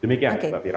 demikian mbak fira